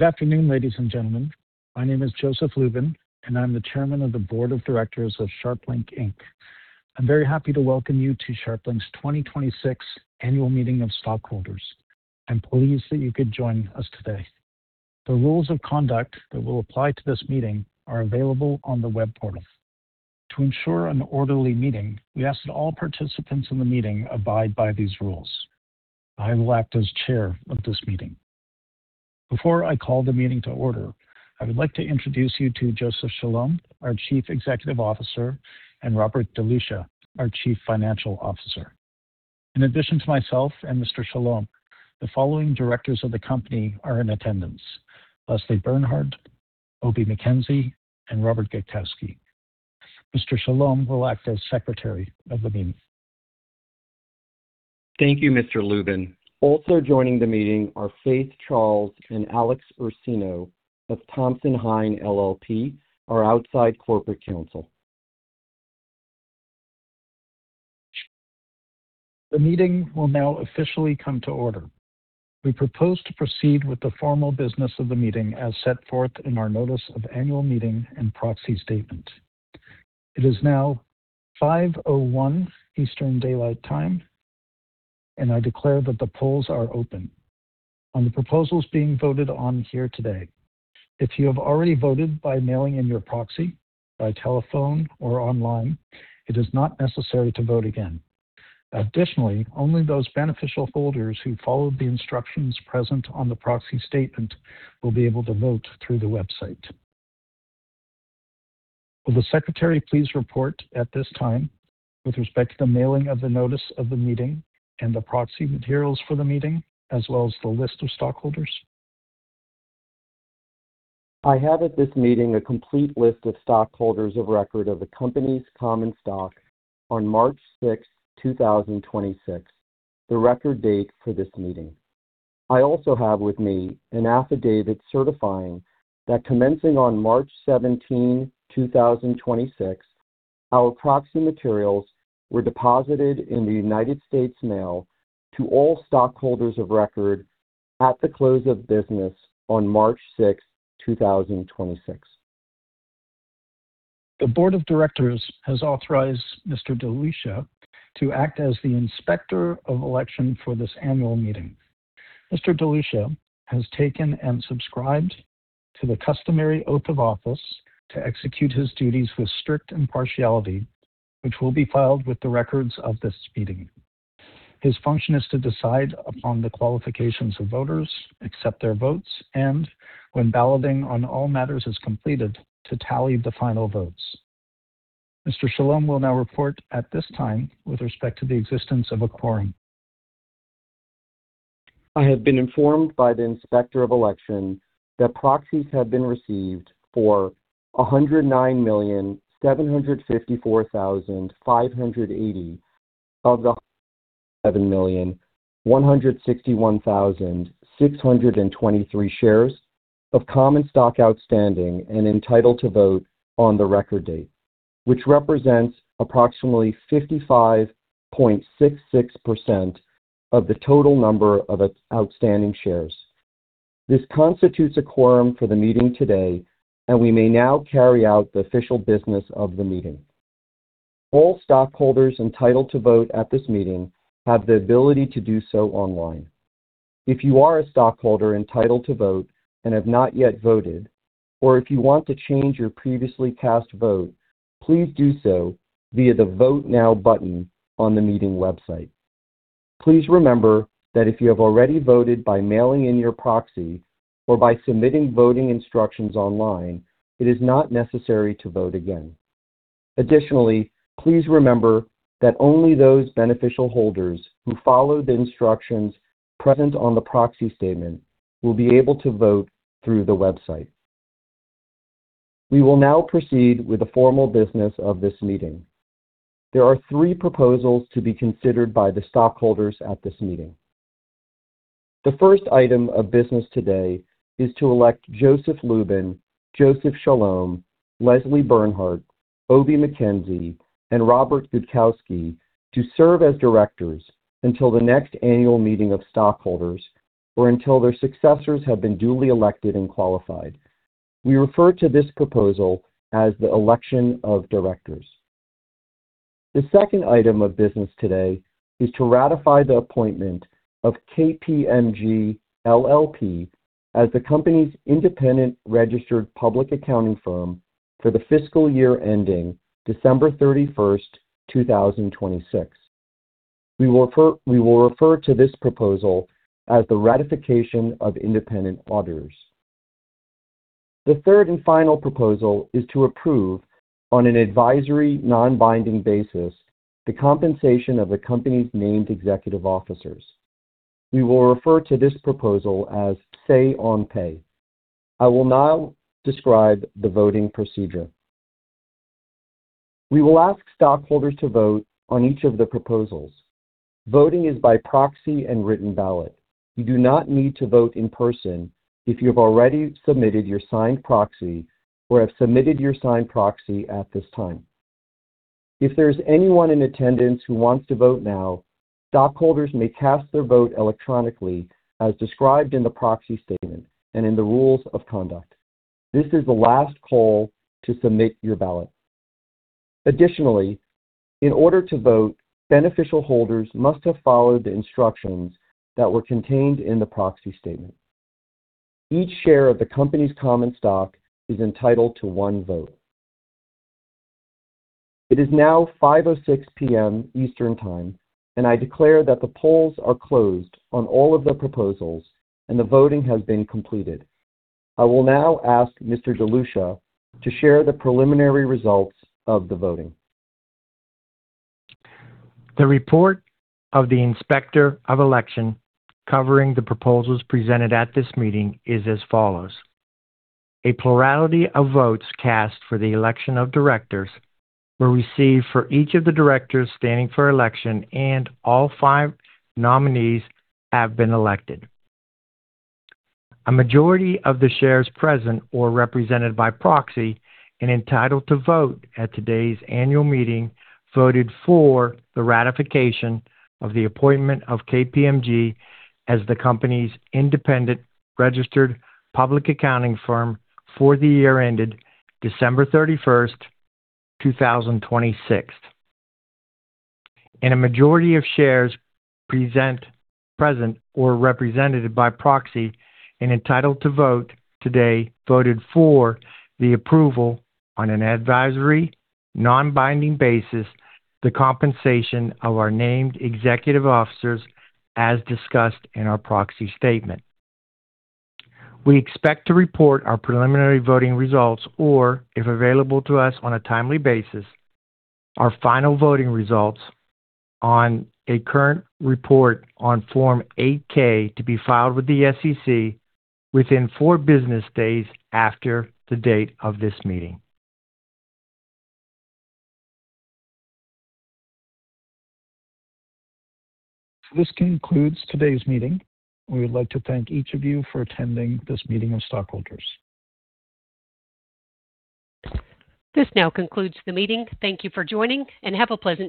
Good afternoon, ladies and gentlemen. My name is Joseph Lubin, and I'm the Chairman of the Board of Directors of SharpLink, Inc. I'm very happy to welcome you to SharpLink's 2026 Annual Meeting of Stockholders. I'm pleased that you could join us today. The rules of conduct that will apply to this meeting are available on the web portal. To ensure an orderly meeting, we ask that all participants in the meeting abide by these rules. I will act as Chair of this meeting. Before I call the meeting to order, I would like to introduce you to Joseph Chalom, our Chief Executive Officer, and Robert DeLucia, our Chief Financial Officer. In addition to myself and Mr. Chalom, the following Directors of the company are in attendance, Leslie Bernhard, Obie McKenzie, and Robert Gutkowski. Mr. Chalom will act as Secretary of the meeting. Thank you, Mr. Lubin. Also joining the meeting are Faith L. Charles and Alexandra Elizabeth Ursino of Thompson Hine LLP, our outside corporate counsel. The meeting will now officially come to order. We propose to proceed with the formal business of the meeting as set forth in our notice of annual meeting and proxy statement. It is now 5:01 Eastern Daylight Time, and I declare that the polls are open on the proposals being voted on here today. If you have already voted by mailing in your proxy, by telephone or online, it is not necessary to vote again. Additionally, only those beneficial holders who followed the instructions present on the proxy statement will be able to vote through the website. Will the Secretary please report at this time with respect to the mailing of the notice of the meeting and the proxy materials for the meeting, as well as the list of stockholders? I have at this meeting a complete list of stockholders of record of the company's common stock on March 6, 2026, the record date for this meeting. I also have with me an affidavit certifying that commencing on March 17, 2026, our proxy materials were deposited in the United States Mail to all stockholders of record at the close of business on March 6, 2026. The Board of Directors has authorized Mr. DeLucia to act as the Inspector of Election for this Annual Meeting. Mr. DeLucia has taken and subscribed to the customary oath of office to execute his duties with strict impartiality, which will be filed with the records of this Meeting. His function is to decide upon the qualifications of voters, accept their votes, and when balloting on all matters is completed, to tally the final votes. Mr. Chalom will now report at this time with respect to the existence of a quorum. I have been informed by the Inspector of Election that proxies have been received for 109,754,580 of the 107,161,623 shares of common stock outstanding and entitled to vote on the record date, which represents approximately 55.66% of the total number of outstanding shares. This constitutes a quorum for the meeting today, and we may now carry out the official business of the meeting. All stockholders entitled to vote at this meeting have the ability to do so online. If you are a stockholder entitled to vote and have not yet voted, or if you want to change your previously cast vote, please do so via the Vote Now button on the meeting website. Please remember that if you have already voted by mailing in your proxy or by submitting voting instructions online, it is not necessary to vote again. Additionally, please remember that only those beneficial holders who follow the instructions present on the proxy statement will be able to vote through the website. We will now proceed with the formal business of this meeting. There are three proposals to be considered by the stockholders at this meeting. The first item of business today is to elect Joseph Lubin, Joseph Chalom, Leslie Bernhard, Obie McKenzie, and Robert Gutkowski to serve as Directors until the next annual meeting of stockholders or until their successors have been duly elected and qualified. We refer to this proposal as the Election of Directors. The second item of business today is to ratify the appointment of KPMG LLP as the company's independent registered public accounting firm for the fiscal year ending December 31st, 2026. We will refer to this proposal as the Ratification of Independent Auditors. The third and final proposal is to approve, on an advisory non-binding basis, the compensation of the company's named executive officers. We will refer to this proposal as Say on Pay. I will now describe the voting procedure. We will ask stockholders to vote on each of the proposals. Voting is by proxy and written ballot. You do not need to vote in person if you have already submitted your signed proxy or have submitted your signed proxy at this time. If there's anyone in attendance who wants to vote now, stockholders may cast their vote electronically as described in the proxy statement and in the rules of conduct. This is the last call to submit your ballot. Additionally, in order to vote, beneficial holders must have followed the instructions that were contained in the proxy statement. Each share of the company's common stock is entitled to one vote. It is now 5:06 P.M. Eastern Time, and I declare that the polls are closed on all of the proposals and the voting has been completed. I will now ask Mr. DeLucia to share the preliminary results of the voting. The report of the Inspector of Election covering the proposals presented at this meeting is as follows. A plurality of votes cast for the election of directors were received for each of the directors standing for election, and all five nominees have been elected. A majority of the shares present or represented by proxy and entitled to vote at today's Annual Meeting voted for the ratification of the appointment of KPMG as the company's independent registered public accounting firm for the year ended December 31st, 2026. A majority of shares present or represented by proxy and entitled to vote today voted for the approval, on an advisory, non-binding basis, the compensation of our Named Executive Officers as discussed in our proxy statement. We expect to report our preliminary voting results or, if available to us on a timely basis, our final voting results on a current report on Form 8-K to be filed with the SEC within four business days after the date of this meeting. This concludes today's meeting. We would like to thank each of you for attending this meeting of stockholders. This now concludes the meeting. Thank you for joining and have a pleasant day.